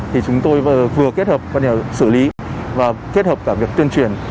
thì chúng tôi vừa kết hợp xử lý và kết hợp cả việc tuyên truyền